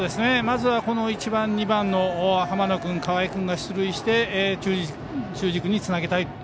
まず１番、２番の浜野君、河合君が出塁して中軸につなげたい。